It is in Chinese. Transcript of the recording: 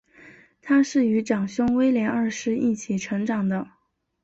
她是与长兄威廉二世一起成长的。